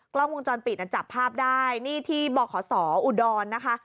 กล้องวงจรปิดจับภาพได้นี่ที่บขสออุดรนะคะ